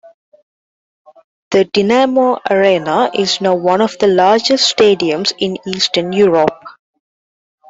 The Dinamo Arena is now one of the largest stadiums in Eastern Europe.